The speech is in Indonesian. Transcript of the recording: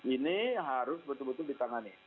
ini harus betul betul ditangani